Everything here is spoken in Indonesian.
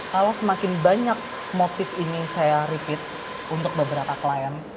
kalau semakin banyak motif ini saya repeat untuk beberapa klien